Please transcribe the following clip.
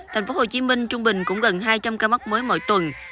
thành phố hồ chí minh trung bình cũng gần hai trăm linh ca mắc mới mỗi tuần